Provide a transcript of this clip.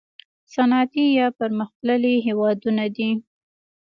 صنعتي یا پرمختللي هیوادونه دي.